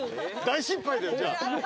大失敗だよじゃあ。